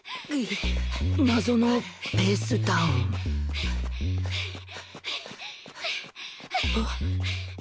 謎のペースダウンあっ。